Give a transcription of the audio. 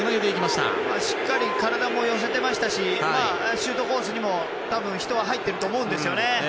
しっかり体も寄せていましたしシュートコースにも、多分人は入ってると思うんですよね。